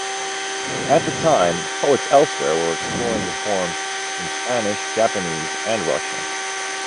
At the time, poets elsewhere were exploring the form in Spanish, Japanese and Russian.